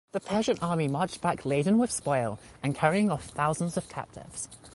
The Persian army marched back laden with spoil and carrying off thousands of captives.